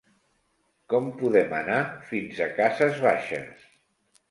Com podem anar fins a Cases Baixes?